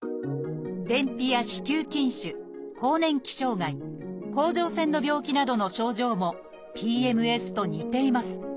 便秘や子宮筋腫更年期障害甲状腺の病気などの症状もＰＭＳと似ています。